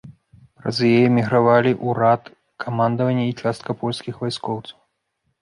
Праз яе эмігравалі ўрад, камандаванне і частка польскіх вайскоўцаў.